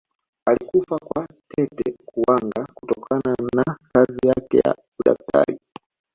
alikufa kwa tete kuwanga kutokana na kazi yake ya udaktari